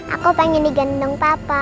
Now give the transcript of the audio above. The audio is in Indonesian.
aku pengen digendong papa